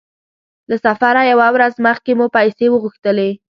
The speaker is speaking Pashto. له سفره يوه ورځ مخکې مو پیسې وغوښتلې.